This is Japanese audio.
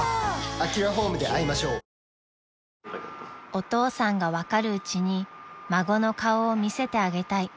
［お父さんが分かるうちに孫の顔を見せてあげたい］